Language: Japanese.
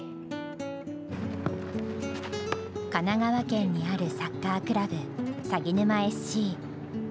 神奈川県にあるサッカークラブさぎぬまＳＣ。